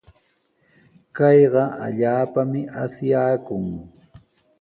Kayqa allaapami asyaakun.